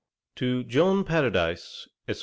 'TO JOHN PARADISE, ESQ.